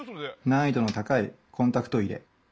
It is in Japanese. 難易度の高いコンタクト入れ。